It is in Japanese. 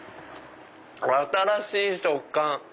新しい食感！